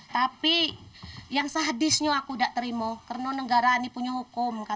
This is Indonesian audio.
tapi yang sehadisnya aku tidak terima karena negara ini punya hukum